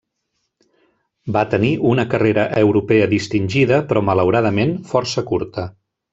Va tenir una carrera europea distingida però, malauradament, força curta.